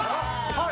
はい！